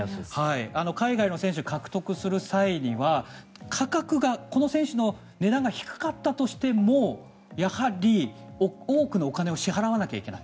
海外の選手を獲得する際にはこの選手の値段が低かったとしてもやはり、円安で多くのお金を支払わなきゃいけない。